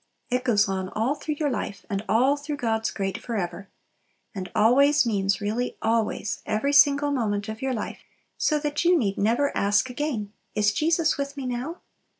It goes on all through your life, and all through God's great "forever." And "always" means really always, every single moment of all your life, so that you need never ask again, "Is Jesus with me now?"